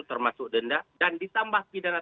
termasuk denda dan ditambah pidana